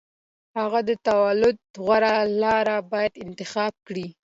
هغوی د تولید غوره لار باید انتخاب کړي